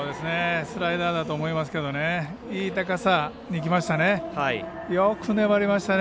スライダーだと思いますけどねいい高さにきましたね。